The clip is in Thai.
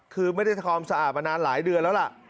คือไม่ได้ทำสะอาดมานานหลายเดือนแล้วล่ะ